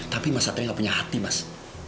tapi mas satria gak punya hati mas